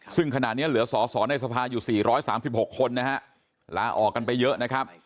ซึ่งขณะเนี้ยเหลือสอสอในสภาอยู่สี่ร้อยสามสิบหกคนนะฮะล้าออกกันไปเยอะนะครับ